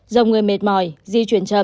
dòng người mệt mỏi di chuyển chậm